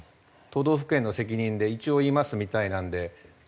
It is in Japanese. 都道府県の責任で一応言いますみたいなので。